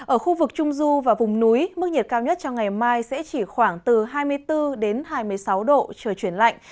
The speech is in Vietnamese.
ở khu vực trung du và vùng núi mức nhiệt cao nhất cho ngày mai sẽ chỉ khoảng từ hai mươi bốn đến hai mươi sáu độ trời chuyển lạnh